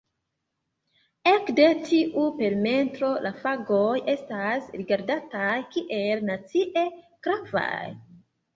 Ekde tiu perimetro la fagoj estas rigardataj kiel "nacie gravaj".